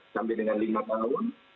dan tersebut dengan data ekonomi